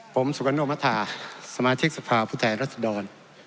ผมสุกาโนมธาสมาธิกษภาพุทธรรษฎร